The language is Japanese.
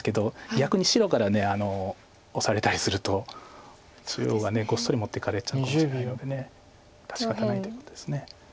逆に白からオサれたりすると中央がごっそり持っていかれちゃうかもしれないので致し方ないということです。